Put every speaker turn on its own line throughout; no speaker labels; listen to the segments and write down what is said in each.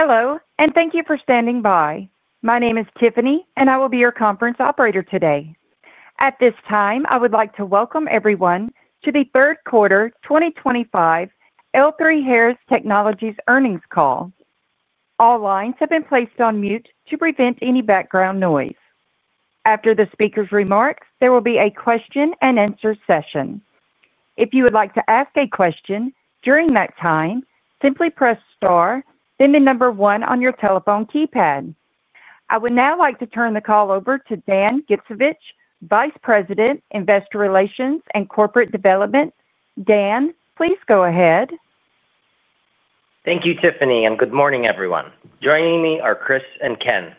Hello and thank you for standing by. My name is Tiffany and I will be your conference operator today. At this time I would like to welcome everyone to the third quarter 2025 L3Harris Technologies earnings call. All lines have been placed on mute to prevent any background noise. After the speaker's remarks, there will be a question and answer session. If you would like to ask a question during that time, simply press Star then the number one on your telephone keypad. I would now like to turn the call over to Dan Gittsovich, Vice President, Investor Relations and Corporate Development. Dan, please go ahead.
Thank you, Tiffany, and good morning, everyone. Joining me are Chris and Ken.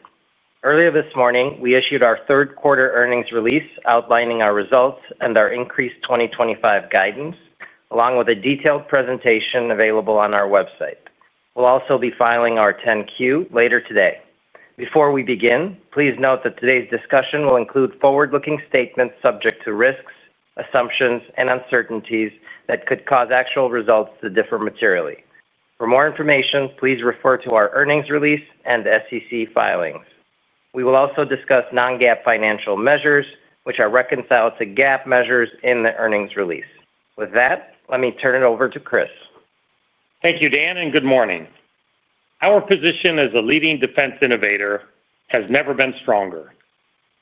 Earlier this morning, we issued our third quarter earnings release outlining our results and our increased 2025 guidance, along with a detailed presentation available on our website. We will also be filing our 10-Q later today. Before we begin, please note that today's discussion will include forward-looking statements subject to risks, assumptions, and uncertainties that could cause actual results to differ materially. For more information, please refer to our earnings release and SEC filings. We will also discuss non-GAAP financial measures, which are reconciled to GAAP measures in the earnings release. With that, let me turn it over to Chris.
Thank you, Dan, and good morning. Our position as a leading defense innovator has never been stronger.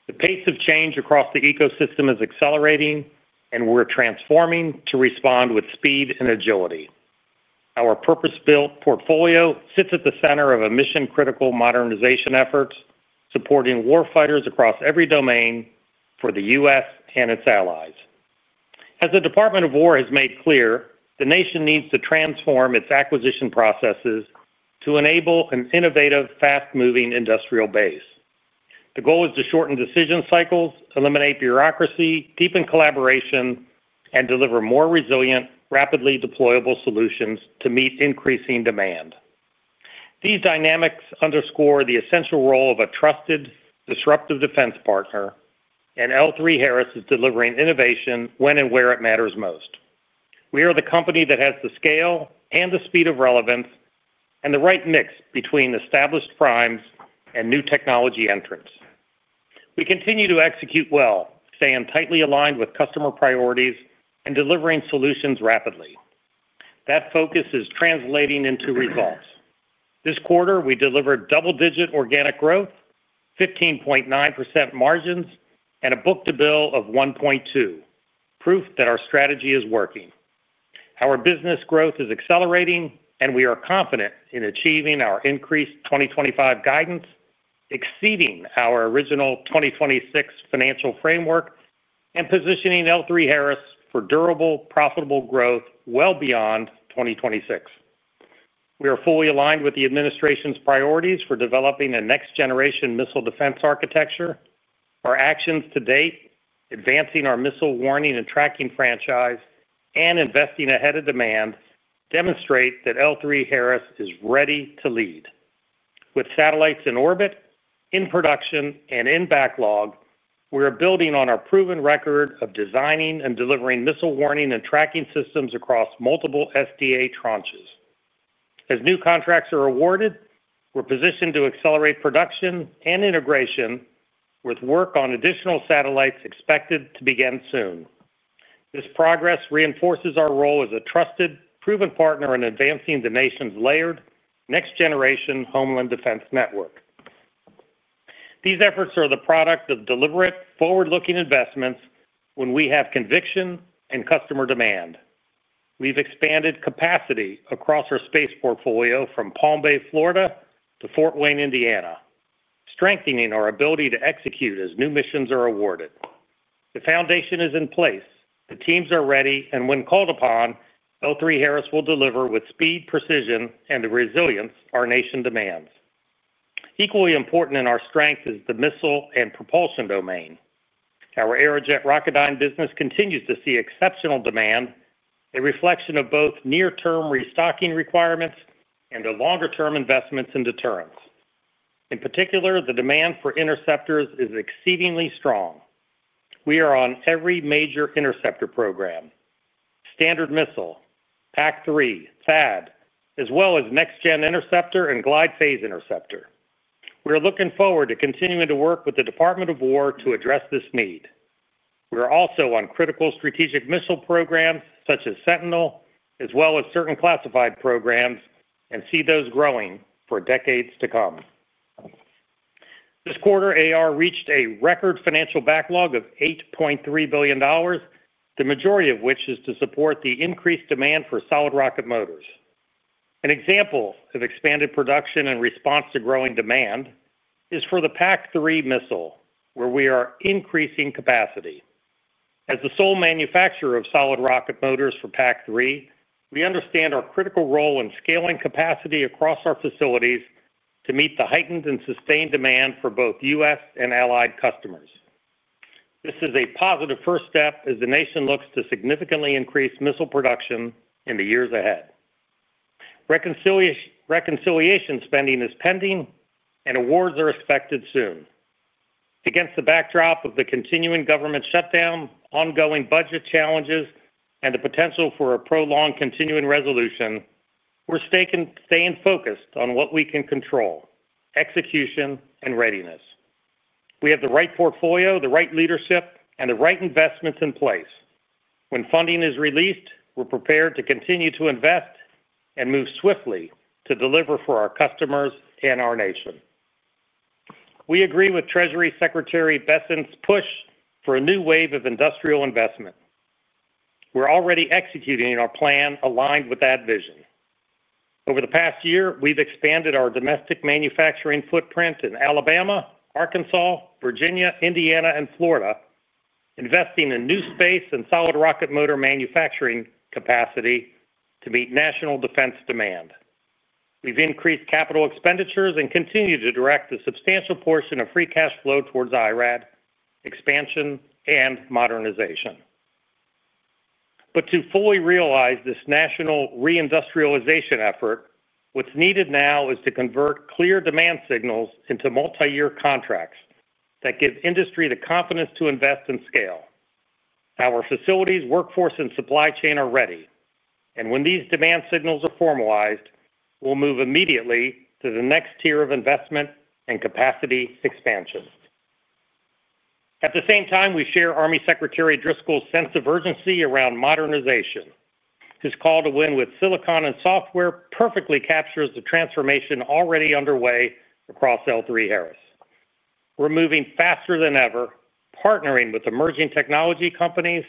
The pace of change across the ecosystem is accelerating, and we're transforming to respond with speed and agility. Our purpose-built portfolio sits at the center of a mission-critical modernization effort supporting war fighters across every domain for the U.S. and its allies. As the Department of War has made clear, the nation needs to transform its acquisition processes to enable an innovative, fast-moving industrial base. The goal is to shorten decision cycles, eliminate bureaucracy, deepen collaboration, and deliver more resilient, rapidly deployable solutions to meet increasing demand. These dynamics underscore the essential role of a trusted, disruptive defense partner. L3Harris is delivering innovation when and where it matters most. We are the company that has the scale and the speed of relevance and the right mix between established primes and new technology entrants. We continue to execute well, staying tightly aligned with customer priorities and delivering solutions rapidly. That focus is translating into results. This quarter, we delivered double-digit organic growth, 15.9% margins, and a Book-to-bill of 1.2, proof that our strategy is working, our business growth is accelerating, and we are confident in achieving our increased 2025 guidance, exceeding our original 2026 financial framework, and positioning L3Harris for durable, profitable growth well beyond 2026. We are fully aligned with the administration's priorities for developing a next generation missile defense architecture. Our actions to date, advancing our missile warning and tracking franchise and investing ahead of demand, demonstrate that L3Harris is ready to lead. With satellites in orbit, in production and in backlog, we are building on our proven record of designing and delivering missile warning and tracking systems across multiple SDA tranches. As new contracts are awarded, we're positioned to accelerate production and integration. With work on additional satellites expected to begin soon, this progress reinforces our role as a trusted, proven partner in advancing the nation's layered next generation homeland defense network. These efforts are the product of deliberate, forward-looking investments when we have conviction and customer demand. We've expanded capacity across our space portfolio from Palm Bay, Florida to Fort Wayne, Indiana, strengthening our ability to execute as new missions are awarded. The foundation is in place, the teams are ready and when called upon, L3Harris will deliver with speed, precision and the resilience our nation demands. Equally important in our strength is the missile and propulsion domain. Our Aerojet Rocketdyne business continues to see exceptional demand, a reflection of both near-term restocking requirements and longer-term investments in deterrence. In particular, the demand for interceptors is exceedingly strong. We are on every major interceptor program, Standard Missile, PAC-3, THAAD, as well as Next Generation Interceptor and Glide Phase Interceptor. We are looking forward to continuing to work with the Department of Defense to address this need. We are also on critical strategic missile programs such as Sentinel, as well as certain classified programs, and see those growing for decades to come. This quarter Aerojet Rocketdyne reached a record financial backlog of $8.3 billion, the majority of which is to support the increased demand for solid rocket motors. An example of expanded production in response to growing demand is for the PAC-3 missile where we are increasing capacity. As the sole manufacturer of solid rocket motors for PAC-3, we understand our critical role in scaling capacity across our facilities to meet the heightened and sustained demand for both U.S. and allied customers. This is a positive first step as the nation looks to significantly increase missile production in the years ahead. Reconciliation funding is pending and awards are expected soon. Against the backdrop of the continuing government shutdown, ongoing budget challenges and the potential for a prolonged continuing resolution, we're staying focused on what we can control, execution and readiness. We have the right portfolio, the right leadership, and the right investments in place. When funding is released, we're prepared to continue to invest and move swiftly to deliver for our customers and our nation. We agree with Treasury Secretary Bessant's push for a new wave of industrial investment. We're already executing our plan aligned with that vision. Over the past year, we've expanded our domestic manufacturing footprint in Alabama, Arkansas, Virginia, Indiana, and Florida, investing in new space and solid rocket motor manufacturing capacity to meet national defense demand. We've increased capital expenditures and continue to direct a substantial portion of free cash flow towards IRAD expansion and modernization. To fully realize this national reindustrialization effort, what's needed now is to convert clear demand signals into multi-year contracts that give industry the confidence to invest and scale. Our facilities, workforce, and supply chain are ready, and when these demand signals are formalized, we'll move immediately to the next tier of investment and capacity expansion. At the same time, we share Army Secretary Driscoll's sense of urgency around modernization. His call to win with silicon and software perfectly captures the transformation already underway across L3Harris. We're moving faster than ever, partnering with emerging technology companies,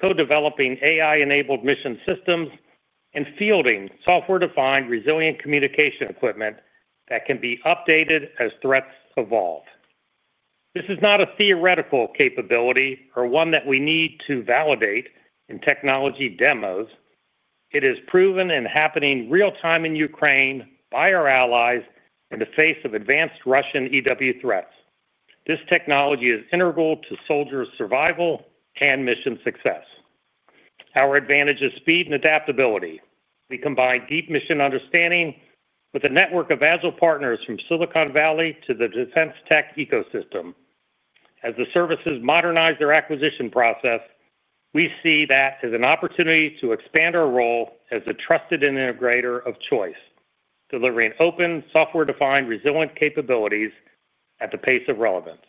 co-developing AI-enabled mission systems, and fielding software-defined resilient communication equipment that can be updated as threats evolve. This is not a theoretical capability or one that we need to validate in technology demos. It is proven and happening real time in Ukraine by our allies in the face of advanced Russian EW threats. This technology is integral to soldiers' survival and mission success. Our advantage is speed and adaptability. We combine deep mission understanding with a network of agile partners from Silicon Valley to the defense tech ecosystem. As the services modernize their acquisition process, we see that as an opportunity to expand our role as a trusted and integrator of choice, delivering open, software-defined, resilient capabilities at the pace of relevance.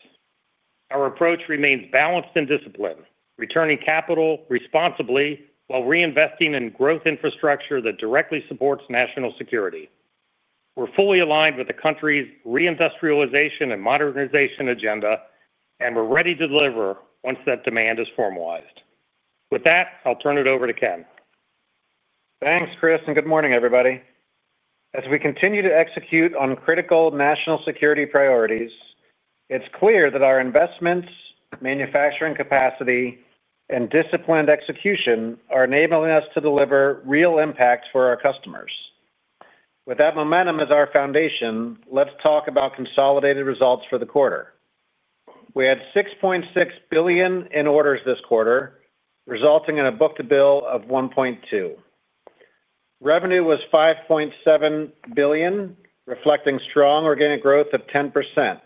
Our approach remains balanced and disciplined, returning capital responsibly while reinvesting in growth infrastructure that directly supports national security. We're fully aligned with the country's reindustrialization and modernization agenda, and we're ready to deliver once that demand is formalized. With that, I'll turn it over to Ken.
Thanks Chris and good morning everybody. As we continue to execute on critical national security priorities, it's clear that our investments, manufacturing capacity, and disciplined execution are enabling us to deliver real impact for our customers. With that momentum as our foundation, let's talk about consolidated results for the quarter. We had $6.6 billion in orders this quarter, resulting in a Book-to-bill of 1.2. Revenue was $5.7 billion, reflecting strong organic growth of 10%.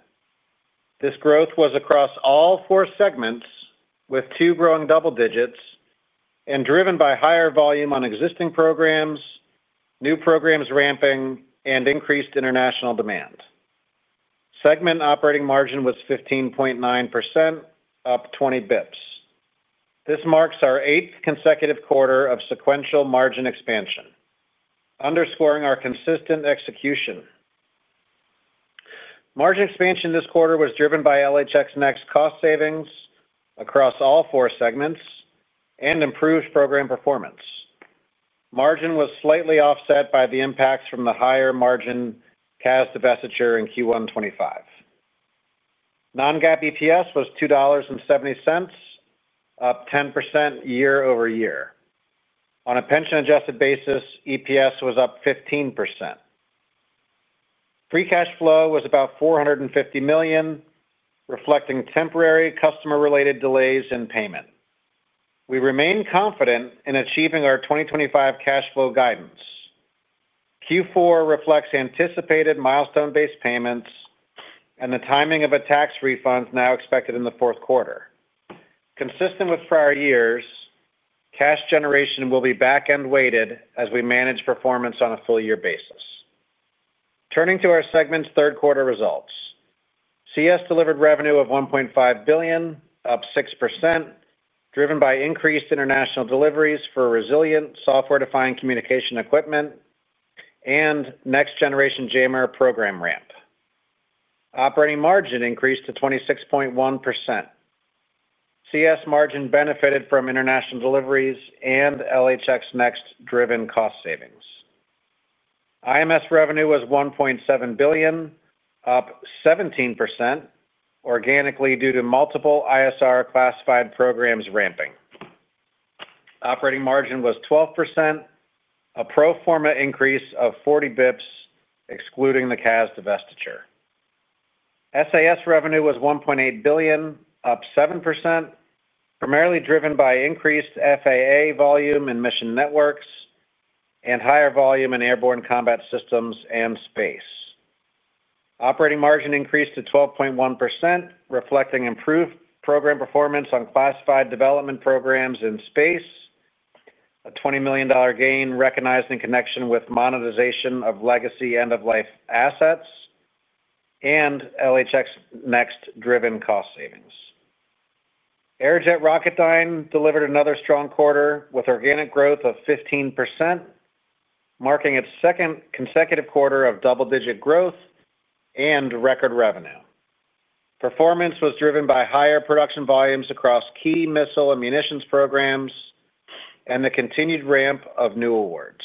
This growth was across all four segments, with two growing double digits, and driven by higher volume on existing programs, new programs ramping, and increased international demand. Segment operating margin was 15.9%, up 20 basis points. This marks our eighth consecutive quarter of sequential margin expansion, underscoring our consistent execution. Margin expansion this quarter was driven by LHX Next cost savings across all four segments and improved program performance. Margin was slightly offset by the impacts from the higher margin CAS divestiture in Q1 2025. Non-GAAP EPS was $2.70, up 10% year over year. On a pension-adjusted basis, EPS was up 15%. Free cash flow was about $450 million, reflecting temporary customer-related delays in payment. We remain confident in achieving our 2025 cash flow guidance. Q4 reflects anticipated milestone-based payments and the timing of a tax refund now expected in the fourth quarter, consistent with prior years. Cash generation will be back-end weighted as we manage performance on a full-year basis. Turning to our segments' third quarter results, CS delivered revenue of $1.5 billion, up 6%, driven by increased international deliveries for resilient software-defined communication equipment and next generation JMR program ramp. Operating margin increased to 26.1%. CS margin benefited from international deliveries and LHX Next-driven cost savings. IMS revenue was $1.7 billion, up 17% organically due to multiple ISR classified programs ramping. Operating margin was 12%, a pro forma increase of 40 basis points excluding the CAS divestiture. SAS revenue was $1.8 billion, up 7%, primarily driven by increased FAA volume in mission networks and higher volume in airborne combat systems and space. Operating margin increased to 12.1%, reflecting improved program performance on classified development programs in space, a $20 million gain recognized in connection with monetization of legacy end-of-life assets, and LHX Next-driven cost savings. Aerojet Rocketdyne delivered another strong quarter with organic growth of 15%, marking its second consecutive quarter of double-digit growth and record revenue. Performance was driven by higher production volumes across key missile and munitions programs and the continued ramp of new awards.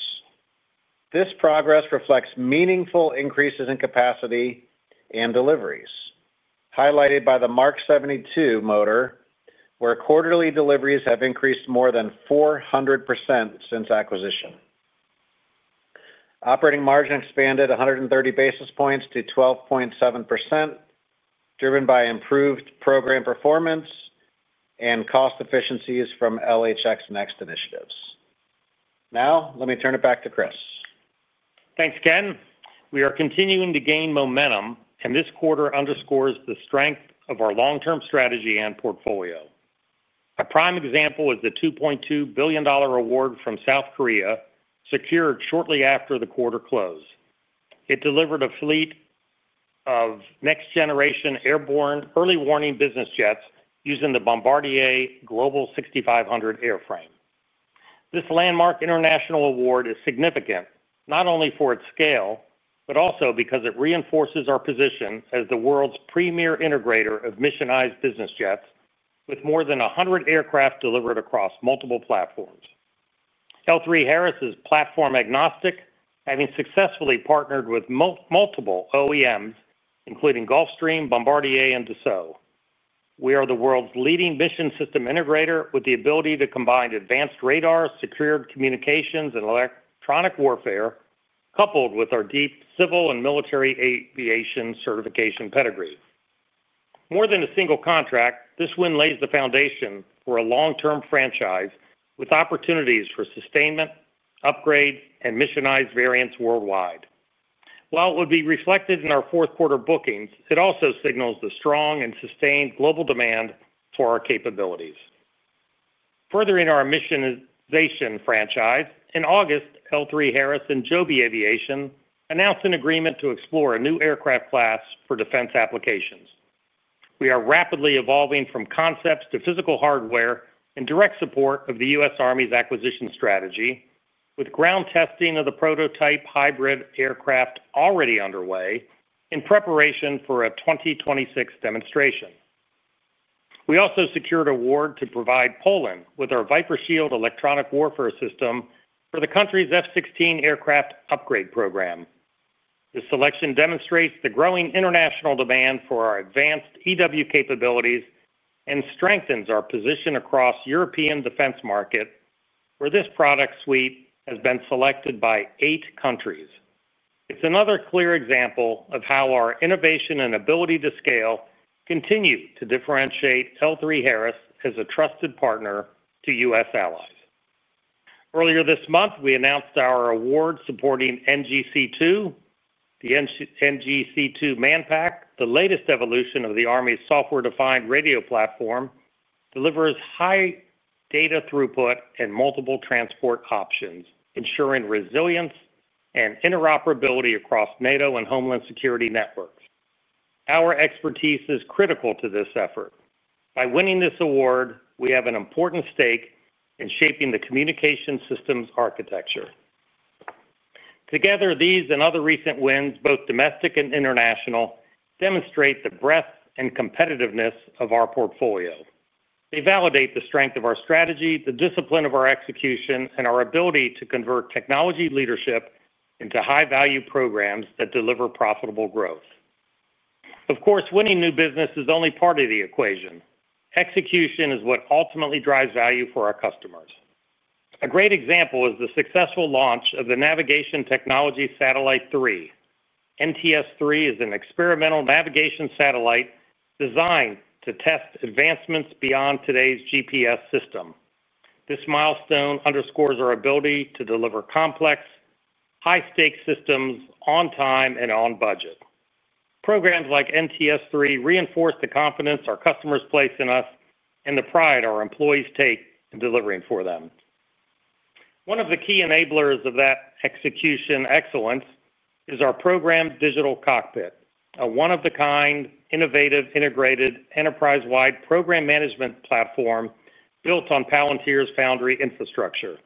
This progress reflects meaningful increases in capacity and deliveries, highlighted by the Mk 72 motor, where quarterly deliveries have increased more than 400% since acquisition. Operating margin expanded 130 basis points to 12.7%, driven by improved program performance and cost efficiencies from LHX Next initiatives. Now let me turn it back to Chris.
Thanks Ken. We are continuing to gain momentum, and this quarter underscores the strength of our long-term strategy and portfolio. A prime example is the $2.2 billion award from South Korea secured shortly after the quarter close. It delivered a fleet of next generation airborne early warning business jets using the Bombardier Global 6500 airframe. This landmark international award is significant not only for its scale, but also because it reinforces our position as the world's premier integrator of missionized business jets. With more than 100 aircraft delivered across multiple platforms, L3Harris is platform agnostic, having successfully partnered with multiple OEMs including Gulfstream, Bombardier, and Dassault. We are the world's leading mission system integrator with the ability to combine advanced radar, secured communications, and electronic warfare, coupled with our deep civil and military aviation certification pedigree. More than a single contract, this win lays the foundation for a long-term franchise with opportunities for sustainment, upgrade, and missionized variants worldwide. While it would be reflected in our fourth quarter bookings, it also signals the strong and sustained global demand for our capabilities, furthering our missionization franchise. In August, L3Harris and Joby Aviation announced an agreement to explore a new aircraft class for defense applications. We are rapidly evolving from concepts to physical hardware in direct support of the U.S. Army's acquisition strategy, with ground testing of the prototype hybrid aircraft already underway. In preparation for a 2026 demonstration, we also secured an award to provide Poland with our Viper Shield electronic warfare system for the country's F-16 aircraft upgrade program. This selection demonstrates the growing international demand for our advanced EW capabilities and strengthens our position across the European defense market, where this product suite has been selected by eight countries. It's another clear example of how our innovation and ability to scale continue to differentiate L3Harris as a trusted partner to U.S. allies. Earlier this month, we announced our award supporting NGC2. The NGC2 ManPAC, the latest evolution of the Army's software defined radio platform, delivers high data throughput and multiple transport options, ensuring resilience and interoperability across NATO and homeland security networks. Our expertise is critical to this effort. By winning this award, we have an important stake in shaping the communication systems architecture. Together, these and other recent wins, both domestic and international, demonstrate the breadth and competitiveness of our portfolio. They validate the strength of our strategy, the discipline of our execution, and our ability to convert technology leadership into high value programs that deliver profitable growth. Of course, winning new business is only part of the equation. Execution is what ultimately drives value for our customers. A great example is the successful launch of the Navigation Technology Satellite 3. NTS3 is an experimental navigation satellite designed to test advancements beyond today's GPS system. This milestone underscores our ability to deliver complex, high stakes systems on time and on budget. Programs like NTS3 reinforce the confidence our customers place in us and the pride our employees take in delivering for them. One of the key enablers of that execution excellence is our Program Digital Cockpit, a one of a kind, innovative, integrated, enterprise-wide program management platform. Built on Palantir's Foundry infrastructure,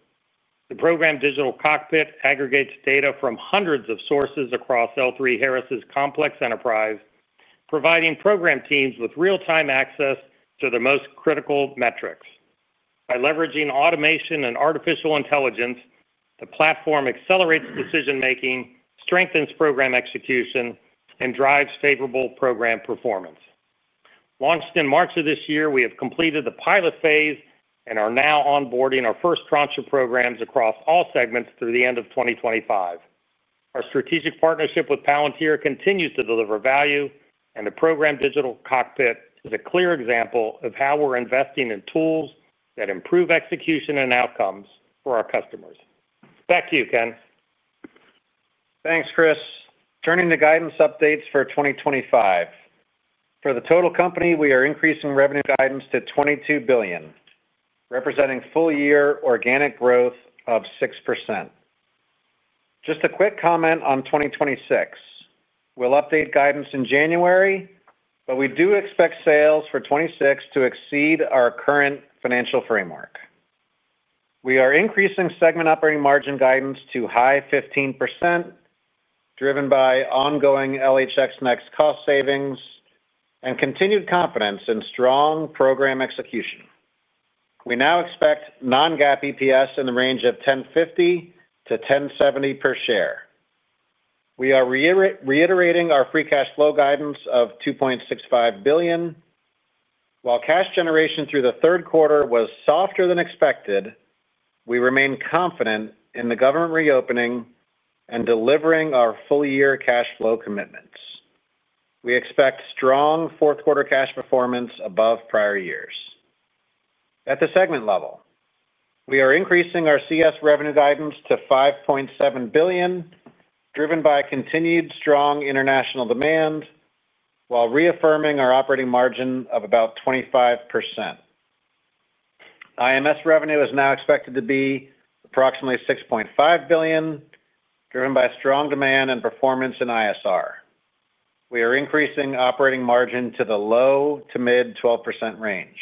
the Program Digital Cockpit aggregates data from hundreds of sources across L3Harris' complex enterprise, providing program teams with real time access to the most critical metrics. By leveraging automation and artificial intelligence, the platform accelerates decision making, strengthens program execution, and drives favorable program performance. Launched in March of this year, we have completed the pilot phase and are now onboarding our first tranche of programs across all segments through the end of 2025. Our strategic partnership with Palantir continues to deliver value, and the Program Digital Cockpit is a clear example of how we're investing in tools that improve execution and outcomes for our customers. Back to you, Ken.
Thanks Chris. Turning to guidance updates for 2025 for the total company, we are increasing revenue guidance to $22 billion, representing full year organic growth of 6%. Just a quick comment on 2026. We'll update guidance in January, but we do expect sales for 2026 to exceed our current financial framework. We are increasing segment operating margin guidance to high 15% driven by ongoing LHX Next cost savings and continued confidence in strong program execution. We now expect non-GAAP EPS in the range of $10.50-$10.70 per share. We are reiterating our free cash flow guidance of $2.65 billion. While cash generation through the third quarter was softer than expected, we remain confident in the government reopening and delivering our full year cash flow commitments. We expect strong fourth quarter cash performance above prior years. At the segment level, we are increasing our CS revenue guidance to $5.7 billion, driven by continued strong international demand while reaffirming our operating margin of about 25%. IMS revenue is now expected to be approximately $6.5 billion, driven by strong demand and performance in ISR. We are increasing operating margin to the low to mid 12% range.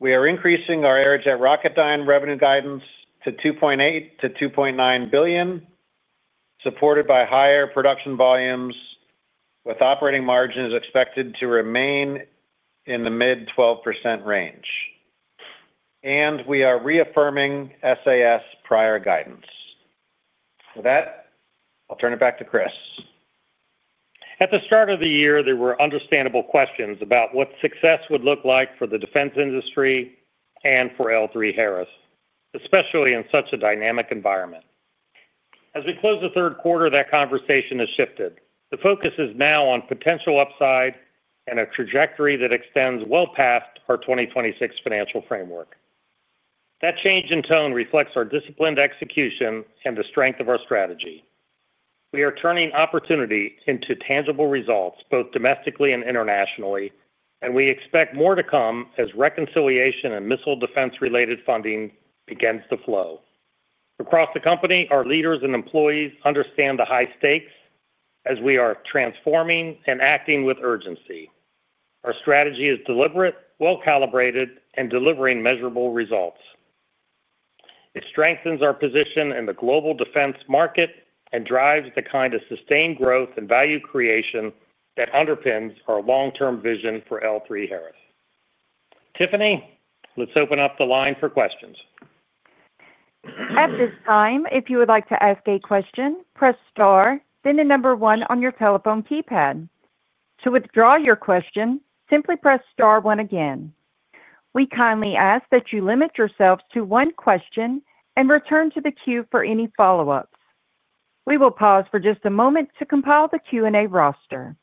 We are increasing our Aerojet Rocketdyne revenue guidance to $2.8 billion-$2.9 billion, supported by higher production volumes with operating margins expected to remain in the mid 12% range and we are reaffirming SAS prior guidance. With that, I'll turn it back to Chris.
At the start of the year, there were understandable questions about what success would look like for the defense industry and for L3Harris, especially in such a dynamic environment. As we close the third quarter, that conversation has shifted. The focus is now on potential upside and a trajectory that extends well past our 2026 financial framework. That change in tone reflects our disciplined execution and the strength of our strategy. We are turning opportunity into tangible results both domestically and internationally, and we expect more to come as reconciliation and missile defense related funding begins to flow across the company. Our leaders and employees understand the high stakes as we are transforming and acting with urgency. Our strategy is deliberate, well calibrated, and delivering measurable results. It strengthens our position in the global defense market and drives the kind of sustained growth and value creation that underpins our long term vision for L3Harris. Tiffany, let's open up the line.
For questions at this time, if you would like to ask a question, press star then the number one on your telephone keypad. To withdraw your question, simply press star one. Again, we kindly ask that you limit yourselves to one question and return to the queue for any follow-ups. We will pause for just a moment to compile the Q&A roster.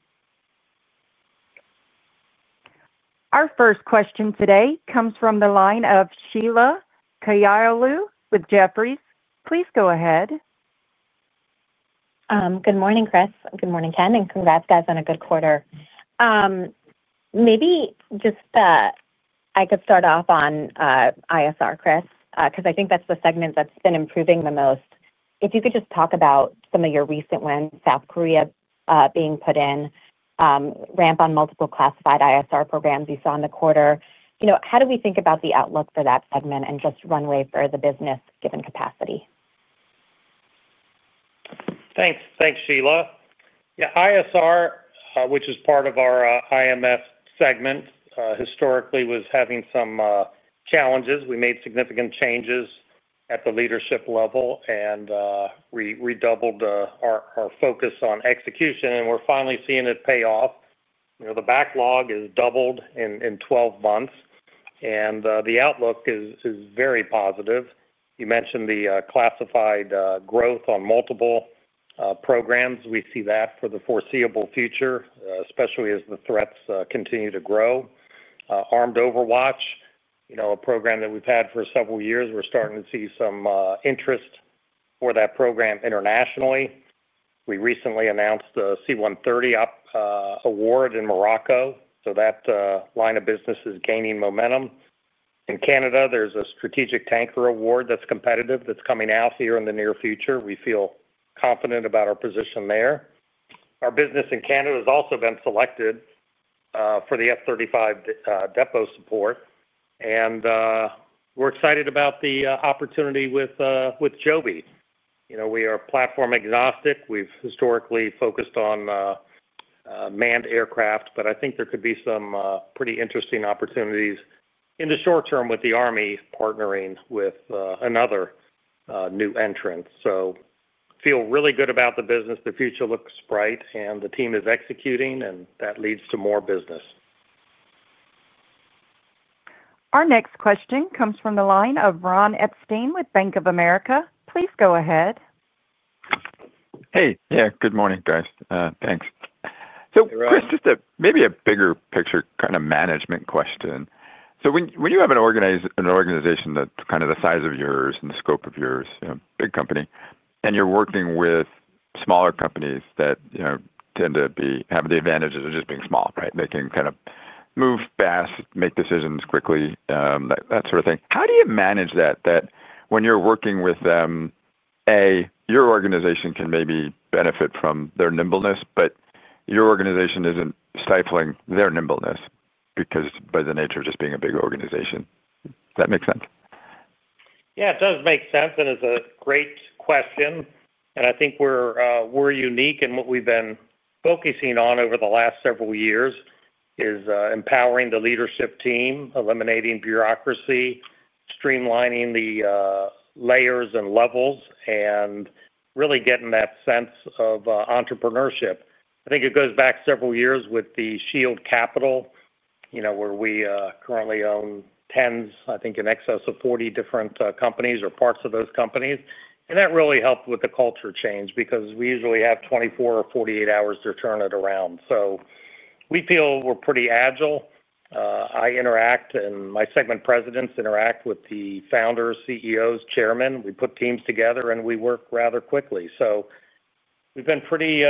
Our first question today comes from the line of Sheila Kahyaoglu with Jefferies. Please go ahead.
Good morning, Chris. Good morning, Ken. Congrats, guys, on a good quarter. Maybe just I could start off on ISR, Chris, because I think that's the segment that's been improving the most. If you could just talk about some of your recent wins, South Korea being put in, ramp on multiple classified ISR programs you saw in the quarter. How do we think about the outlook for that segment and just runway for the business given capacity.
Thanks. Thanks, Sheila. ISR, which is part of our IMS segment, historically was having some challenges. We made significant changes at the leadership level, and we redoubled our focus on execution, and we're finally seeing it pay off. You know, the backlog has doubled in 12 months, and the outlook is very positive. You mentioned the classified growth on multiple programs. We see that for the foreseeable future, especially as the threats continue to grow. Armed Overwatch, you know, a program that we've had for several years, we're starting to see some interest for that program internationally. We recently announced the C-130 award in Morocco. That line of business is gaining momentum in Canada. There's a strategic tanker award that's competitive, that's coming out here in the near future. We feel confident about our position there. Our business in Canada has also been selected for the F-35 depot support, and we're excited about the opportunity with Joby. You know, we are platform agnostic. We've historically focused on manned aircraft. I think there could be some pretty interesting opportunities in the short term with the Army partnering with another new entrant. Feel really good about the business. The future looks bright, and the team is executing, and that leads to more business.
Our next question comes from the line of Ron Epstein with Bank of America. Please go ahead.
Hey. Good morning guys. Thanks. Maybe a bigger picture kind of management question. When you have an organization that's the size of yours and the scope of yours, big company, and you're working with smaller companies that tend to have the advantages of just being small, they can move fast, make decisions quickly, that sort of thing, how do you manage that? When you're working with them, your organization can maybe benefit from their nimbleness, but your organization isn't stifling their nimbleness because by the nature of just being a big organization, that makes sense.
Yeah, it does make sense and it's a great question. I think we're unique in what we've been focusing on over the last several years, empowering the leadership team, eliminating bureaucracy, streamlining the layers and levels, and really getting that sense of entrepreneurship. I think it goes back several years with Shield Capital, you know, where we currently own tens, I think in excess of 40 different companies or parts of those companies. That really helped with the culture change because we usually have 24 or 48 hours to turn it around. We feel we're pretty agile. I interact and my segment presidents interact with the founders, CEOs, chairman, we put teams together and we work rather quickly. We've been pretty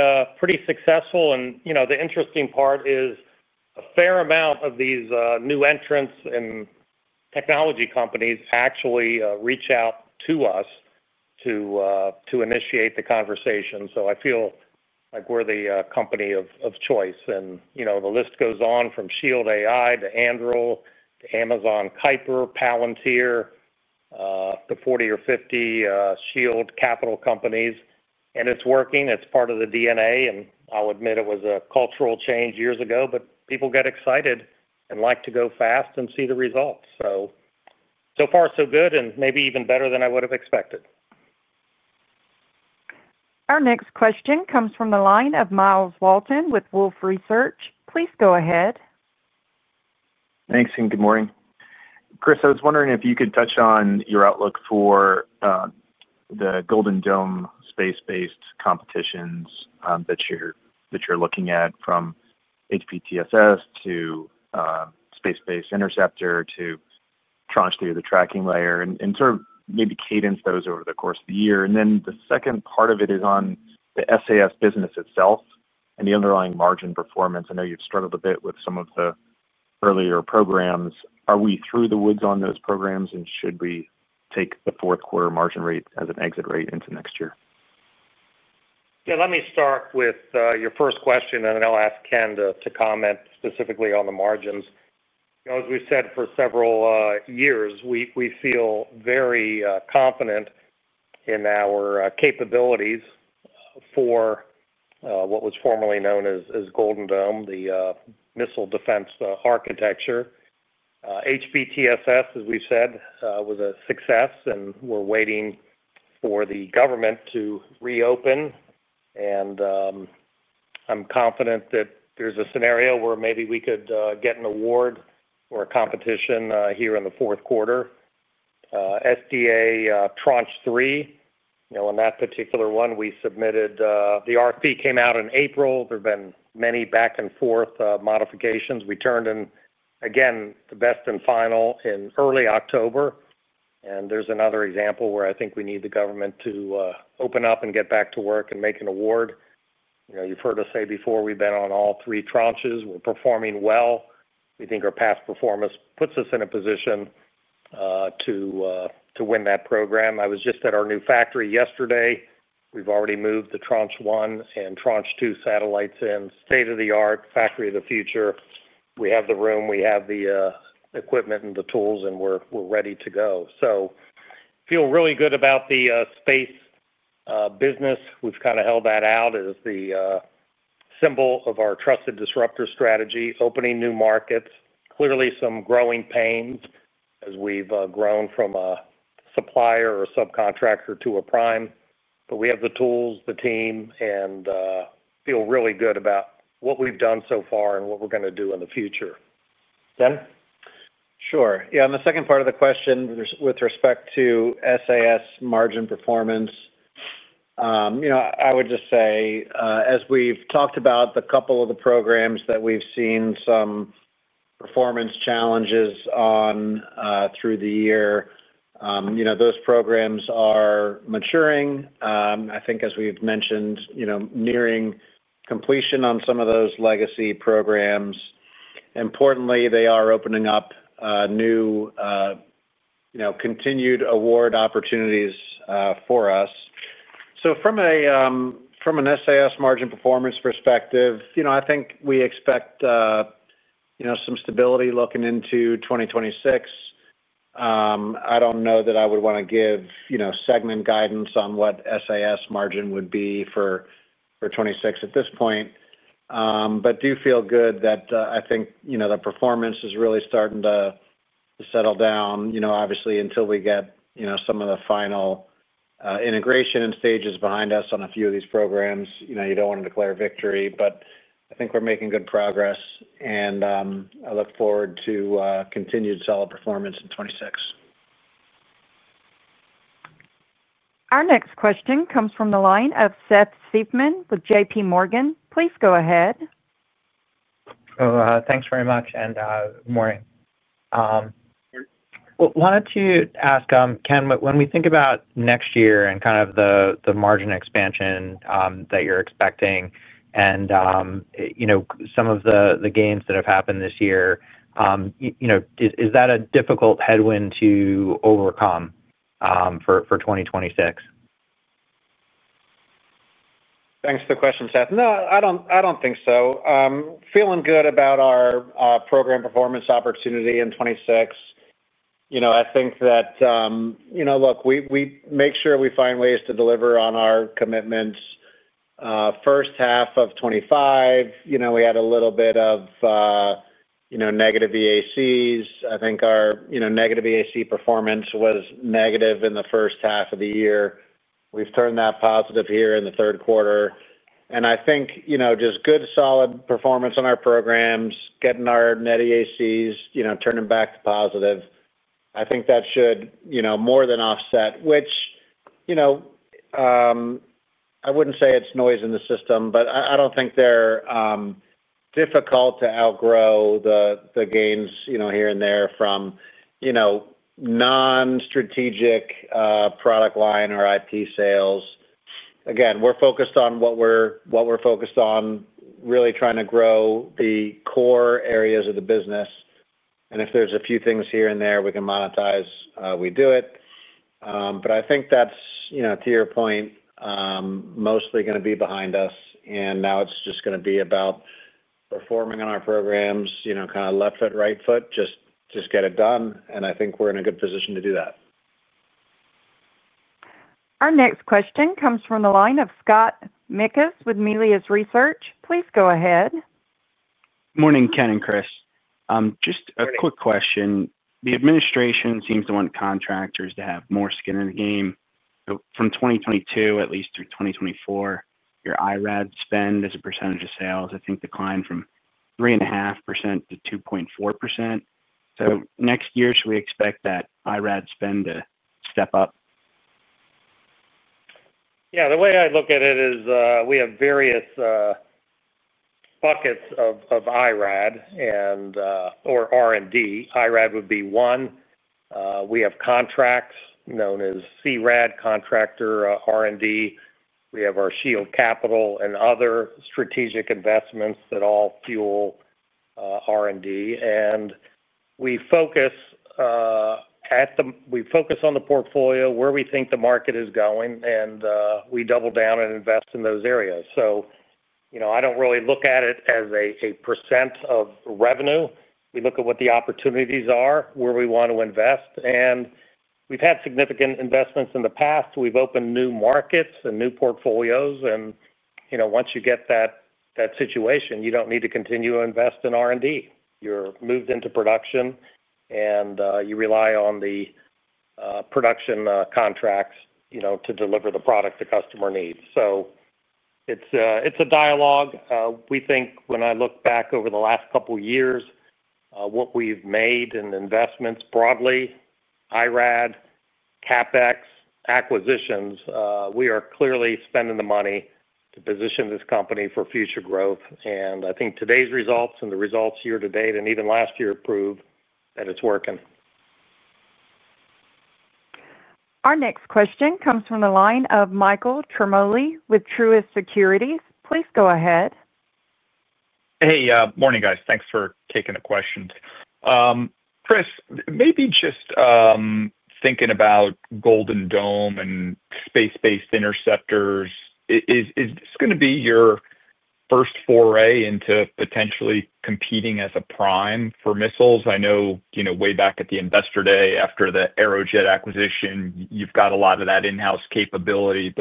successful. The interesting part is a fair amount of these new entrants and technology companies actually reach out to us to initiate the conversation. I feel like we're the company of choice. The list goes on from Shield AI to Anduril to Amazon, Kuiper, Palantir to 40 or 50 Shield Capital companies. It's working, it's part of the DNA. I'll admit it was a cultural change years ago, but people get excited and like to go fast and see the results. So far so good and maybe even better than I would have expected.
Our next question comes from the line of Myles Walton with Wolfe Research. Please go ahead.
Thanks and good morning. Chris, I was wondering if you could touch on your outlook for the Golden Dome space-based competitions that you're looking at. From HPTSS to space-based interceptor to Tranche through the tracking layer and maybe cadence those over the course of the year. The second part of it is on the SAF business itself and the underlying margin performance. I know you've struggled a bit with some of the earlier programs. Are we through the woods on those programs and should we take the fourth quarter margin rate as an exit rate into next year?
Let me start with your first question and then I'll ask Ken to comment specifically on the margins. As we've said for several years, we feel very confident in our capabilities for what was formerly known as Golden Dome, the missile defense architecture. HPTSS, as we said, was a success and we're waiting for the government to reopen. I'm confident that there's a scenario where maybe we could get an award or a competition here in the fourth quarter. SDA Tranche 3, on that particular one we submitted, the RFP came out in April. There have been many back and forth modifications. We turned in again the best and final in early October. There's another example where I think we need the government to open up and get back to work and make an award. You've heard us say before, we've been on all three tranches, we're performing well. We think our past performance puts us in a position to win that program. I was just at our new factory yesterday. We've already moved the Tranche 1 and Tranche 2 satellites in, state-of-the-art factory of the future. We have the room, we have the equipment and the tools, and we're ready to go. I feel really good about the space business. We've kind of held that out as the symbol of our trusted disruptor strategy, opening new markets. Clearly some growing pains as we've grown from a supplier or subcontractor to a prime, but we have the tools, the team, and feel really good about what we've done so far and what we're going to do in the future. Ken?
Sure. Yeah. On the second part of the question with respect to SAS margin performance, I would just say as we've talked about the couple of the programs that we've seen some performance challenges on through the year, those programs are maturing. I think, as we've mentioned, nearing completion on some of those legacy programs. Importantly, they are opening up new, continued award opportunities for us. From an SAS margin performance perspective, I think we expect some stability looking into 2026. I don't know that I would want to give segment guidance on what SAS margin would be for 2026 at this point, but do feel good that I think the performance is really starting to settle down. Obviously, until we get some of the final integration and stages behind us on a few of these programs, you don't want to declare victory, but I think we're making good progress and I look forward to continued solid performance in 2026.
Our next question comes from the line of Seth Seifman with JPMorgan. Please go ahead.
Thanks very much and good morning. Why don't you ask Ken when we. Think about next year and kind of the margin expansion that you're expecting. Some of the gains that have happened this year, is that a difficult headwind to overcome for 2026?
Thanks for the question, Seth. No, I don't think so. Feeling good about our program performance opportunity in 2026. I think that, look, we make sure we find ways to deliver on our commitments. First half of 2025, we had a little bit of negative EACs. I think our negative EAC performance was negative in the first half of the year. We've turned that positive here in the third quarter. I think just good solid performance on our programs, getting our net EACs, turn them back to positive. I think that should more than offset, which I wouldn't say it's noise in the system, but I don't think they're difficult to outgrow the gains here and there from non-strategic product line or IP sales. Again, we're focused on what we're focused on, really trying to grow the core areas of the business. If there's a few things here and there we can monetize, we do it. I think that's, to your point, mostly going to be behind us. Now it's just going to be about performing on our programs, kind of left foot, right foot, just get it done. I think we're in a good position to do that.
Our next question comes from the line of Scott Mikus with Melius Research. Please go ahead.
Morning, Ken and Chris. Just a quick question. The administration seems to want contractors to have more skin in the game. From 2022 at least through 2024, your IRAD spend as a percentage of sales, I think, declined from 3.5% to 2.4%. Next year, should we expect that IRAD spend to step up?
Yeah, the way I look at it is we have various buckets of IRAD and or R&D. IRAD would be one. We have contracts known as CRAD, contractor R&D. We have our Shield Capital and other strategic investments that all fuel R&D, and we focus on the portfolio where we think the market is going and we double down and invest in those areas. You know, I don't really look at it as a % of revenue. We look at what the opportunities are, where we want to invest. We've had significant investments in the past. We've opened new markets and new portfolios, and once you get that situation, you don't need to continue to invest in R&D, you're moved into production and you rely on the production contracts to deliver the product the customer needs. It's a dialogue, we think. When I look back over the last couple years, what we've made in investments broadly, IRAD, CapEx, acquisitions, we are clearly spending the money to position this company for future growth. I think today's results and the results year to date and even last year prove that it's working.
Our next question comes from the line of Michael Ciarmoli with Truist Securities. Please go ahead.
Hey, morning guys. Thanks for taking the question. Chris, maybe just thinking about Golden Dome and space based Interceptors, is this going to be your first foray into potentially competing as a prime for missiles? I know way back at the investor day after the Aerojet Rocketdyne acquisition, you've got a lot of that in house capability.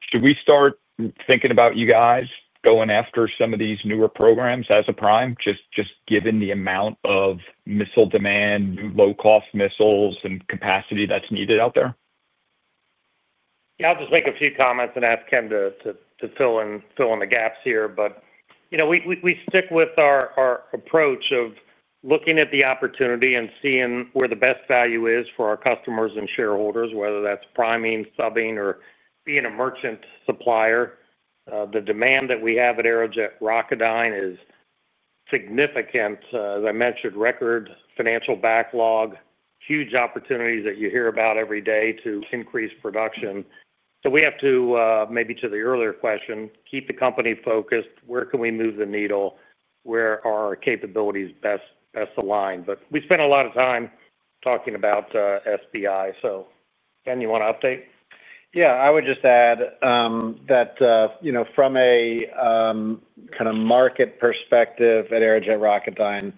Should we start thinking about you guys going after some of these newer programs as a prime, just given the amount of missile demand, low cost missile and capacity that's needed out there?
I'll just make a few comments and ask Ken to fill in the gaps here. You know, we stick with our approach of looking at the opportunity and seeing where the best value is for our customers and shareholders, whether that's priming, subbing, or being a merchant supplier. The demand that we have at Aerojet Rocketdyne is significant. As I mentioned, record financial backlog, huge opportunities that you hear about every day to increase production. We have to, maybe to the earlier question, keep the company focused. Where can we move the needle where our capabilities best align. We spent a lot of time talking about SBI. Ken, you want to update?
Yeah, I would just add that, you know, from a kind of market perspective at Aerojet Rocketdyne,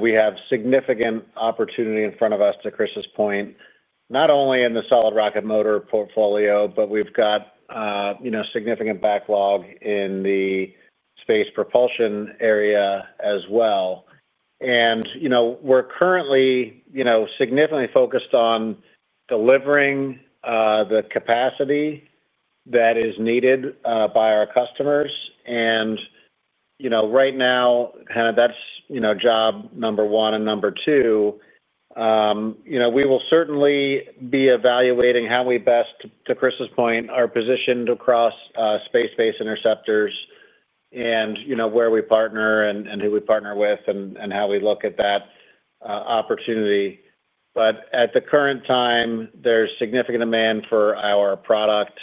we have significant opportunity in front of us to Chris's point, not only in the solid rocket motor portfolio, but we've got significant backlog in the space propulsion area as well. We're currently significantly focused on delivering the capacity that is needed by our customers. Right now that's job number one. Number two, we will certainly be evaluating how we best, to Chris's point, are positioned across space based interceptors and where we partner and who we partner with and how we look at that opportunity. At the current time, there's significant demand for our product.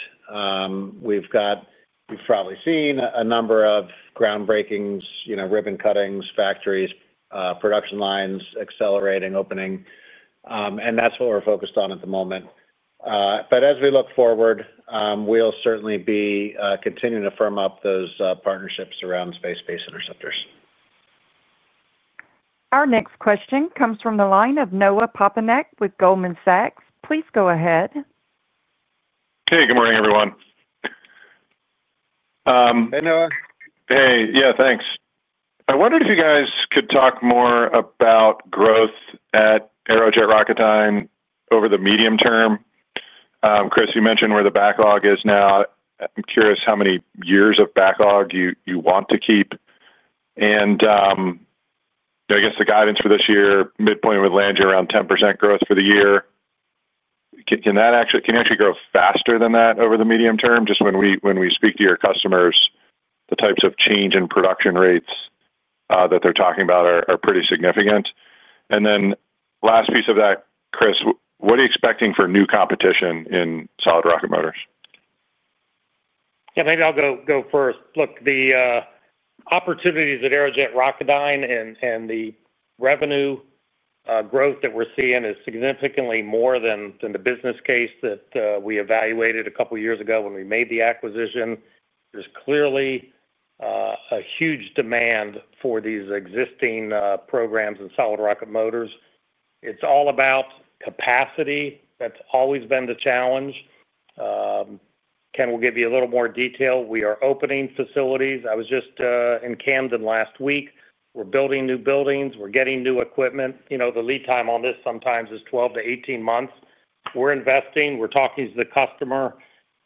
You've probably seen a number of groundbreaking ribbon cuttings, factories, production lines accelerating, opening, and that's what we're focused on at the moment. As we look forward, we'll certainly be continuing to firm up those partnerships around space based interceptors.
Our next question comes from the line of Noah Poponak with Goldman Sachs. Please go ahead.
Hey, good morning, everyone.
Hey, Noah.
Hey. Yeah, thanks. I wondered if you guys could talk more about growth at Aerojet Rocketdyne over the medium term. Chris, you mentioned where the backlog is now. I'm curious how many years of backlog you want to keep. I guess the guidance for this year, midpoint, would land you around 10% growth for the year. Can that actually grow faster than that over the medium term? Just when we speak to your customers, the types of change in production rates that they're talking about are pretty significant. Last piece of that, Chris, what are you expecting for new competition in solid rocket motors?
Yeah, maybe I'll go first. Look, the opportunities at Aerojet Rocketdyne and the revenue growth that we're seeing is significantly more than the business case that we evaluated a couple years ago when we made the acquisition. There's clearly a huge demand for these existing programs in solid rocket motors. It's all about capacity. That's always been the challenge. Ken will give you a little more detail. We are opening facilities. I was just in Camden last week. We're building new buildings, we're getting new equipment. You know, the lead time on this sometimes is 12 to 18 months. We're investing, we're talking to the customer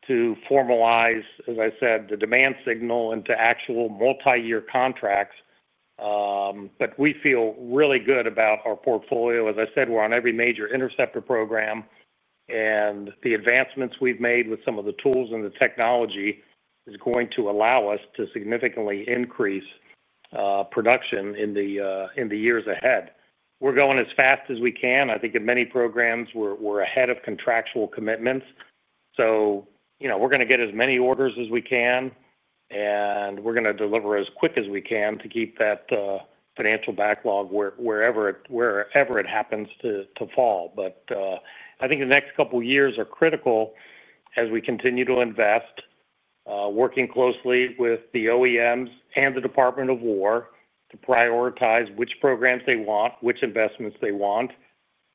to formalize, as I said, the demand signal into actual multi-year contracts. We feel really good about our portfolio. As I said, we're on every major interceptor program and the advancements we've made with some of the tools and the technology is going to allow us to significantly increase production in the years ahead. We're going as fast as we can. I think in many programs we're ahead of contractual commitments. We're going to get as many orders as we can and we're going to deliver as quick as we can to keep that financial backlog wherever it happens to fall. I think the next couple years are critical as we continue to invest, working closely with the OEMs and the Department of War to prioritize which programs they want, which investments they want.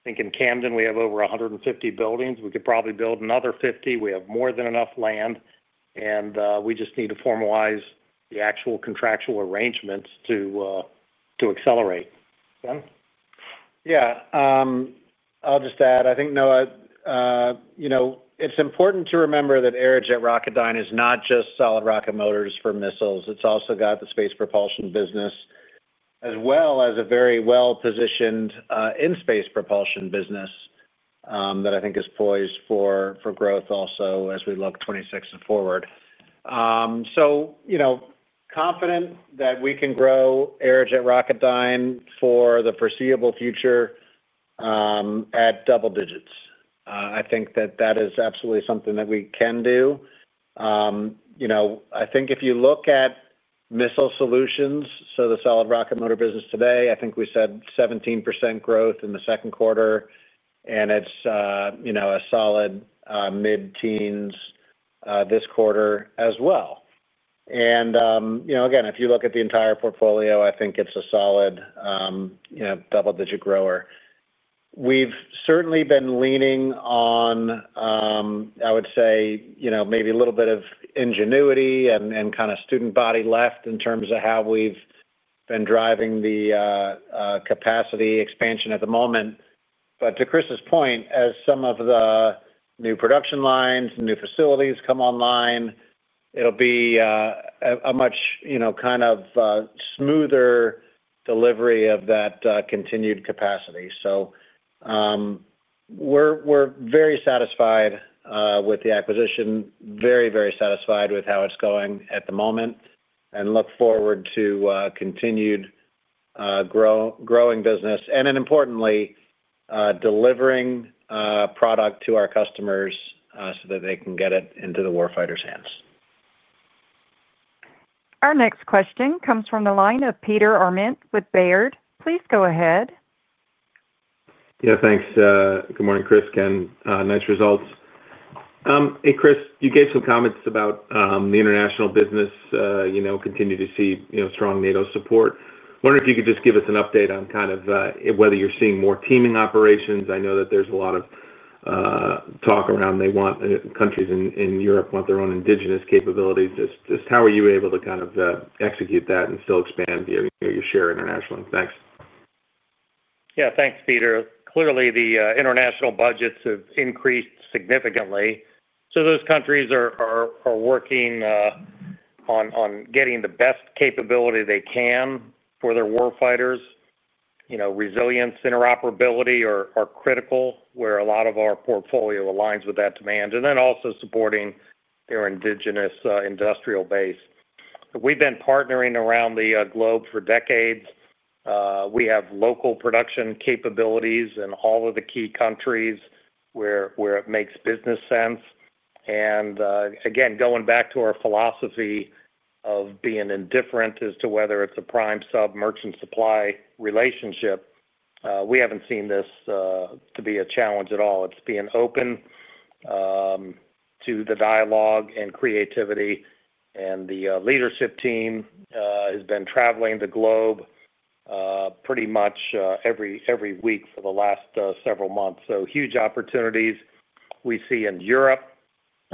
I think in Camden we have over 150 buildings. We could probably build another 50. We have more than enough land and we just need to formalize the actual contractual arrangements to accelerate. Ken.
I'll just add, I think, Noah, you know, it's important to remember that Aerojet Rocketdyne is not just solid rocket motors for missiles. It's also got the space propulsion business as well as a very well positioned in space propulsion business that I think is poised for growth also as we look 2026 and forward. You know, confident that we can grow Aerojet Rocketdyne for the foreseeable future. At double digits. I think that is absolutely something that we can do. I think if you look at missile solutions, so the solid rocket motor business today, I think we said 17% growth in the second quarter and it's a solid mid-teens this quarter as well. If you look at the entire portfolio, I think it's a solid double-digit grower. We've certainly been leaning on, I would say, maybe a little bit of ingenuity and kind of student body left in terms of how we've been driving the capacity expansion at the moment. To Chris's point, as some of the new production lines and new facilities come online, it'll be a much smoother delivery of that continued capacity. So. We're very satisfied with the acquisition, very, very satisfied with how it's going at the moment, and look forward to continued growing business and, importantly, delivering product to our customers so that they can get it into the war fighters' hands.
Our next question comes from the line of Peter Arment with Baird. Please go ahead.
Yeah, thanks. Good morning, Chris. Ken, nice results. Hey Chris, you gave some comments about the international business. You know, continue to see strong NATO support. Wonder if you could just give us an update on kind of whether you're seeing more teaming operations. I know that there's a lot of talk around, they want countries in Europe want their own indigenous capabilities. Just how are you able to kind of execute that and still expand your share internationally. Thanks.
Yeah, thanks Peter. Clearly the international budgets have increased significantly. Those countries are working on getting the best capability they can for their war fighters. Resilience, interoperability are critical. Critical where a lot of our portfolio aligns with that demand and then also supporting their indigenous industrial base. We've been partnering around the globe for decades. We have local production capabilities in all of the key countries where it makes business sense. Again, going back to our philosophy of being indifferent as to whether it's a prime, sub, merchant, supply relationship, we haven't seen this to be a challenge at all. It's being open to the dialogue and creativity. The leadership team has been traveling the globe pretty much every week for the last several months. Huge opportunities we see in Europe.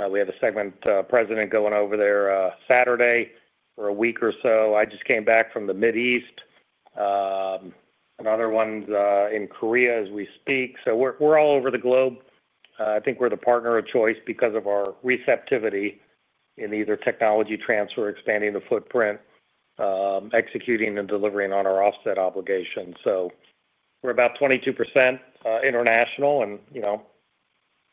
We have a segment president going over there Saturday for a week or so. I just came back from the Middle East, another one's in South Korea as we speak. We're all over the globe. I think we're the partner of choice because of our receptivity in either technology transfer, expanding the footprint, executing and delivering on our offset obligations. We're about 22% international and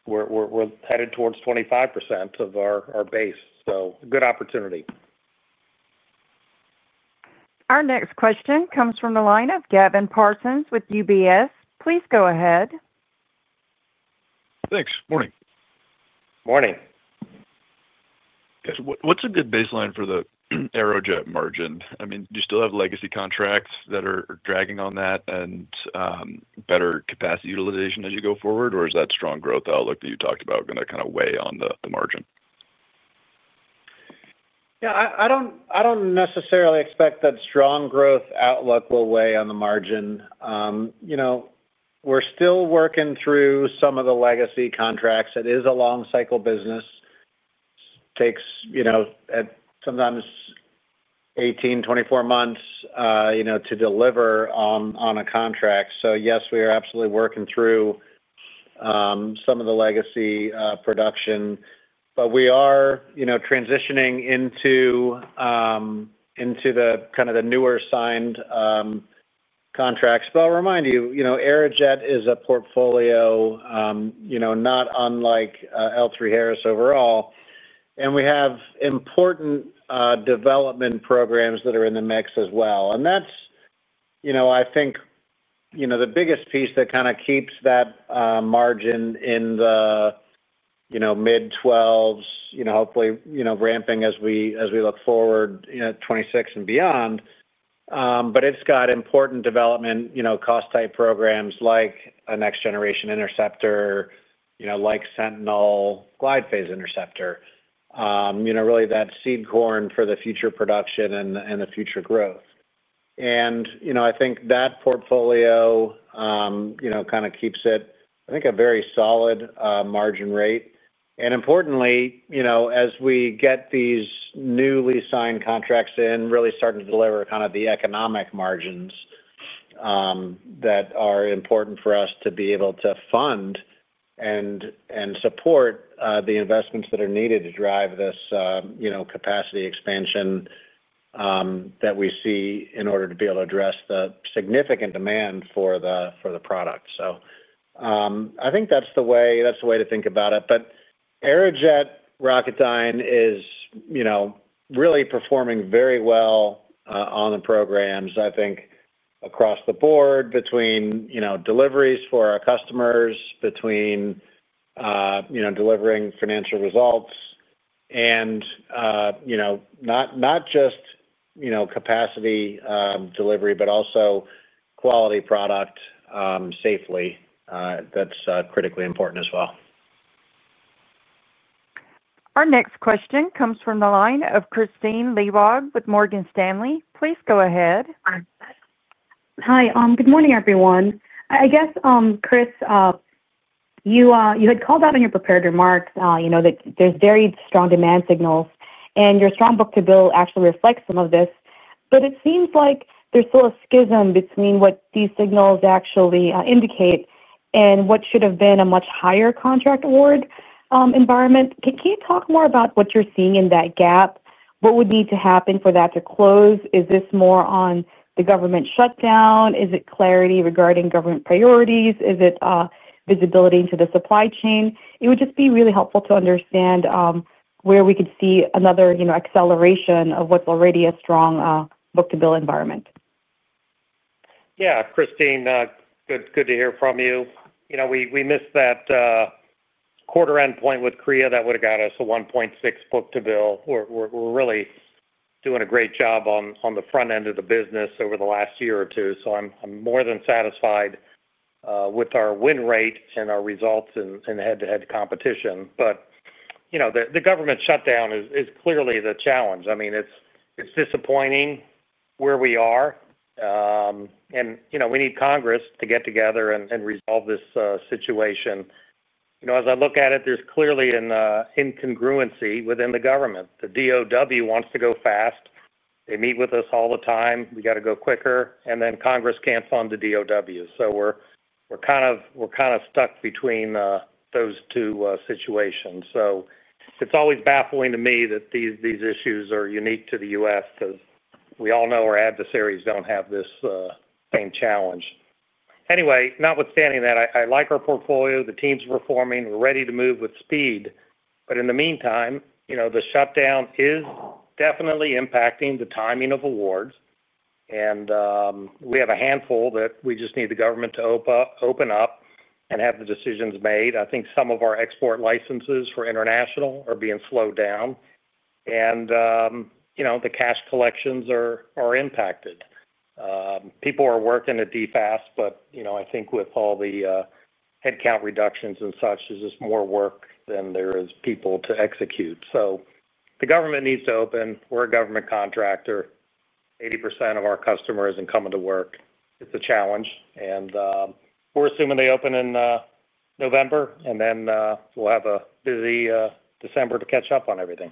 we're headed towards 25% of our base. Good opportunity.
Our next question comes from the line of Gavin Parsons with UBS. Please go ahead.
Thanks. Morning.
Morning.
What's a good baseline for the Aerojet Rocketdyne margin? I mean, do you still have legacy contracts that are dragging on that and better capacity utilization as you go forward, or is that strong growth outlook that you talked about going to kind of weigh on the margin?
Yeah, I don't necessarily expect that strong growth outlook will weigh on the margin. We're still working through some of the legacy contracts. It is a long cycle. Business takes sometimes 18, 24 months to deliver on a contract. Yes, we are absolutely working through some of the legacy production, but we are transitioning into the newer signed contracts. I'll remind you, Aerojet Rocketdyne is a portfolio, not unlike L3Harris overall. We have important development programs that are in the mix as well. That's, I think, the biggest piece that kind of keeps that margin in the mid 12s, hopefully ramping as we look forward to 2026 and beyond. It's got important development, cost type programs like a Next Generation Interceptor, like Sentinel Glide Phase Interceptor, really that seed corn for the future production and the future growth. I think that portfolio kind of keeps it, I think, a very solid margin rate. Importantly, as we get these newly signed contracts in, really starting to deliver the economic margins that are important for us to be able to fund and support the investments that are needed to drive this capacity expansion that we see in order to be able to address the significant demand for the product. I think that's the way to think about it. Aerojet Rocketdyne is really performing very well on the programs, I think across the board between deliveries for our customers, between delivering financial results and not just capacity delivery, but also quality product safely. That's critically important as well.
Our next question comes from the line of Kristine Liwag with Morgan Stanley. Please go ahead.
Hi, good morning everyone. I guess, Chris, you had called out in your prepared remarks, you know that there's varied strong demand signals and your strong Book-to-bill actually reflects some of this. It seems like there's still a schism between what these signals actually indicate and what should have been a much higher contract award environment. Can you talk more about what you're seeing in that gap? What would need to happen for that to close? Is this more on the government shutdown? Is it clarity regarding government priorities? Is it visibility into the supply chain? It would just be really helpful to understand where we could see another acceleration of what's already a strong Book-to-bill environment.
Yeah. Kristine, good to hear from you. We missed that quarter endpoint with CREA that would have got us a 1.6 Book-to-bill. We're really doing a great job on the front end of the business over the last year or two. I'm more than satisfied with our win rate and our results and head-to-head competition. The government shutdown is clearly the challenge. It's disappointing where we are and we need Congress to get together and resolve this situation. As I look at it, there's clearly an incongruency within the government. The DoD wants to go fast. They meet with us all the time, we gotta go quicker and then Congress can't fund the DoD. We're kind of stuck between those two situations. It's always baffling to me that these issues are unique to the U.S. because we all know our adversaries don't have this same challenge anyway. Notwithstanding that, I like our portfolio. The team's performing, we're ready to move with speed. In the meantime, the shutdown is definitely impacting the timing of awards and we have a handful that we just need the government to open up and have the decisions made. I think some of our export licenses for international are being slowed down and the cash collections are impacted. People are working at DFAS, but I think with all the headcount reductions and such, there's just more work than there is people to execute. The government needs to open. We're a government contractor. 80% of our customer isn't coming to work. It's a challenge. We're assuming they open in November and then we'll have a busy December to catch up on everything.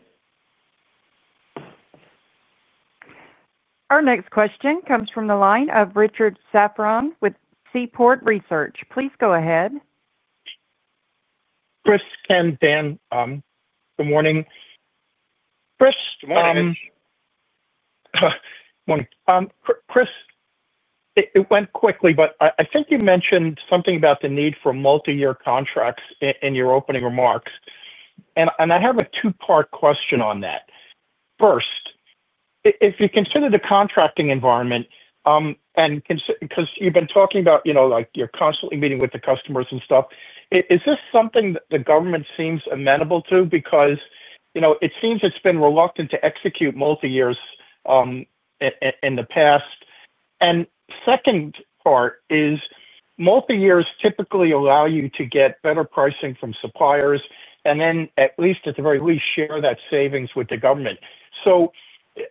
Our next question comes from the line of Richard Safran with Seaport Research. Please go ahead.
Chris, Ken, Dan, good morning, Chris.
Good morning.
Chris. It went quickly, but I think you mentioned something about the need for multi-year contracts in your opening remarks and I have a two-part question on that. First, if you consider the contracting environment and because you've been talking about you're constantly meeting with the customers and stuff, is this something that the government seems amenable to because, you know, it seems it's been reluctant to execute multi-years in the past. Second part is multi-years typically allow you to get better pricing from suppliers and then at the very least share that savings with the government.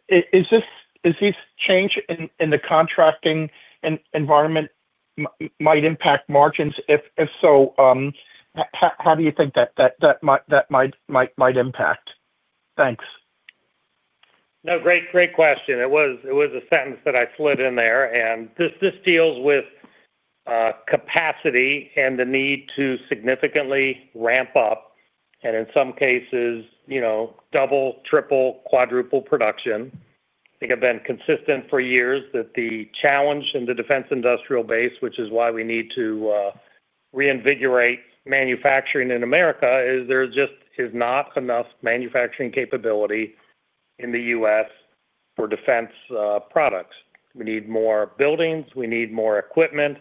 Is this change in the contracting environment might impact margins? If so, how do you think that might impact. Thanks.
Great question. It was a sentence that I slid in there. This deals with capacity and the need to significantly ramp up and in some cases double, triple, quadruple production. I think I've been consistent for years that the challenge in the defense industrial base, which is why we need to reinvigorate manufacturing in America, is there just is not enough manufacturing capability in the U.S. for defense products. We need more buildings, we need more equipment.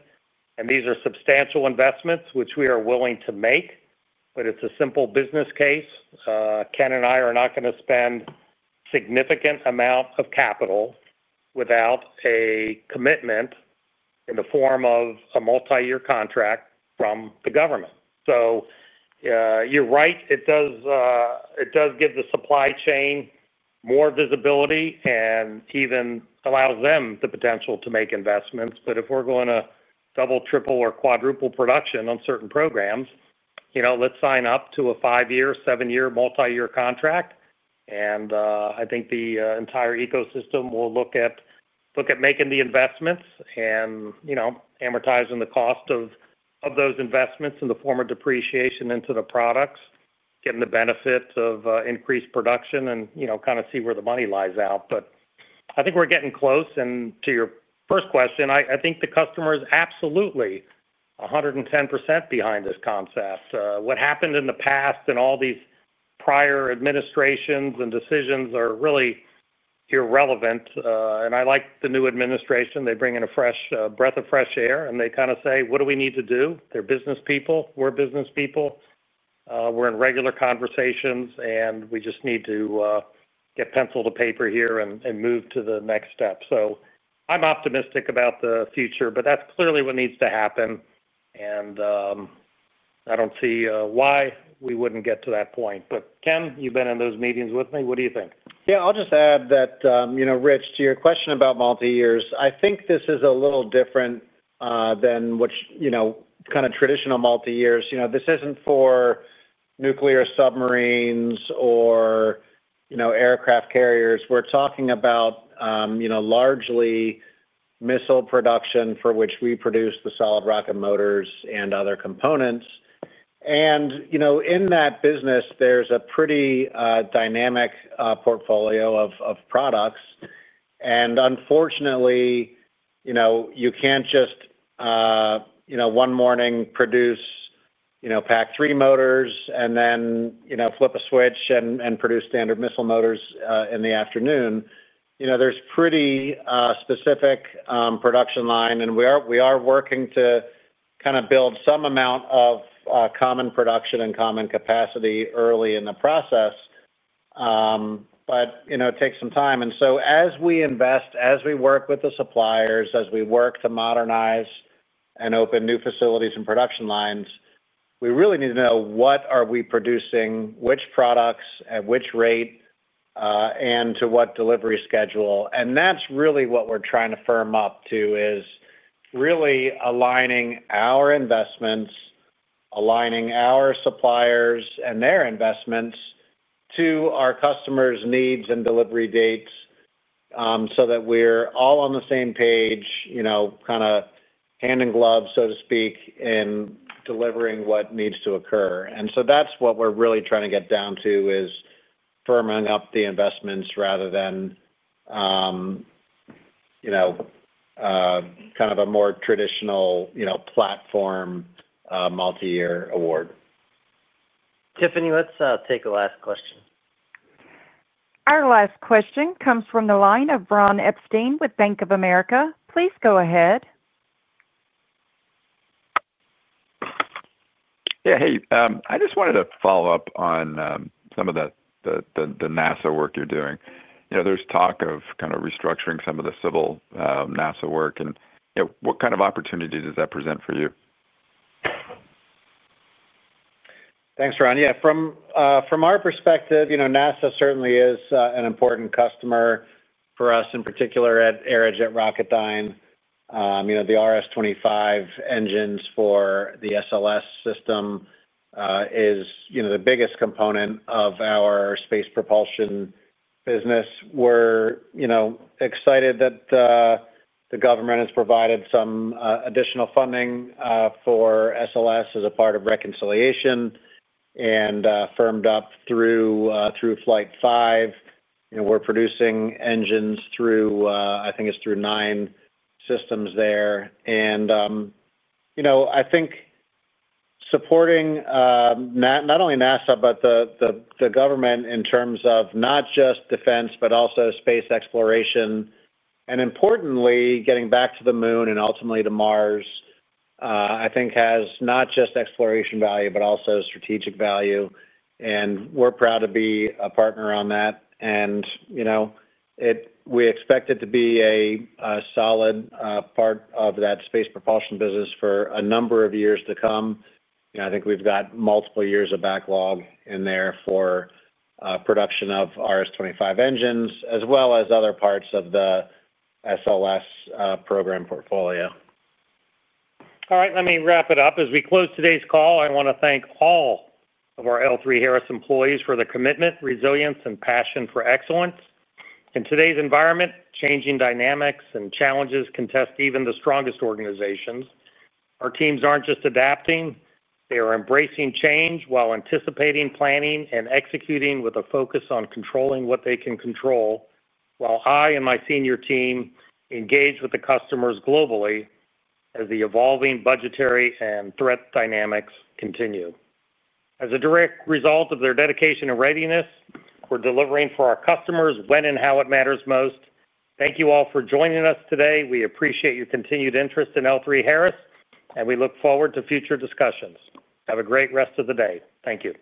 These are substantial investments which we are willing to make. It's a simple business case. Ken and I are not going to spend significant amount of capital without a commitment in the form of a multi-year contract from the government. You're right, it does give the supply chain more visibility and even allows them the potential to make investments. If we're going to double, triple or quadruple production on certain programs, let's sign up to a five-year, seven-year, multi-year contract and I think the entire ecosystem will look at making the investments and amortizing the cost of those investments in the form of depreciation into the products, getting the benefits of increased production and kind of see where the money lies out. I think we're getting close. To your first question, I think the customer is absolutely 110% behind this concept. What happened in the past and all these prior administrations and decisions are really irrelevant. I like the new administration. They bring in a breath of fresh air and they kind of say, what do we need to do? They're business people, we're business people. We're in regular conversations and we just need to get pencil to paper here and move to the next step. I'm optimistic about the future, but that's clearly what needs to happen. I don't see why we wouldn't get to that point. Ken, you've been in those meetings with me. What do you think?
Yeah, I'll just add that, you know, Rich, to your question about multi years, I think this is a little different than what, you know, kind of traditional multi years. This isn't for nuclear submarines or, you know, aircraft carriers. We're talking about, you know, largely missile production for which we produce the solid rocket motors and other components. In that business there's a pretty dynamic portfolio of products. Unfortunately, you can't just, you know, one morning produce, you know, PAC-3 motors and then, you know, flip a switch and produce Standard Missile motors in the afternoon. There's a pretty specific production line. We are working to kind of build some amount of common production and common capacity early in the process. It takes some time. As we invest, as we work with the suppliers, as we work to modernize and open new facilities and production lines, we really need to know what are we producing, which products at which rate and to what delivery schedule. That's really what we're trying to firm up to, is really aligning our investments, aligning our suppliers and their investments to our customers' needs and delivery dates so that we're all on the same page, kind of hand in glove, so to speak, in delivering what needs to occur. That's what we're really trying to get down to, is firming up the investments rather than, you know, kind of a more traditional, you know, platform multi year award.
Tiffany, let's take a last question.
Our last question comes from the line of Ron Epstein with Bank of America. Please go ahead.
Yeah, I just wanted to follow up on some of the NASA work you're doing. You know, there's talk of kind of restructuring some of the civil NASA work, and what kind of opportunity does that present for you?
Thanks, Ron. Yeah, from our perspective, you know, NASA certainly is an important customer for us, in particular at Aerojet Rocketdyne. You know, the RS-25 engines for the SLS system is the biggest component of our space propulsion business. We're excited that the government has provided some additional funding for SLS as a part of reconciliation and firmed up through Flight 5. We're producing engines through, I think it's through nine systems there. I think supporting not only NASA, but the government in terms of not just defense, but also space exploration and importantly, getting back to the moon and ultimately to Mars, has not just exploration value, but also strategic value. We're proud to be a partner on that. We expect it to be a solid part of that space propulsion business for a number of years to come. I think we've got multiple years of backlog in there for production of RS-25 engines as well as other parts of the SLS program portfolio.
All right, let me wrap it up. As we close today's call, I want to thank all of our L3Harris employees for their commitment, resilience, and passion for excellence in today's environment. Changing dynamics and challenges can test even the strongest organizations. Our teams aren't just adapting. They are embracing change while anticipating, planning, and executing with a focus on controlling what they can control. While I and my senior team engage with the customers globally, as the evolving budgetary and threat dynamics continue, as a direct result of their dedication and readiness, we're delivering for our customers when and how it matters most. Thank you all for joining us today. We appreciate your continued interest in L3Harris, and we look forward to future discussions. Have a great rest of the day. Thank you.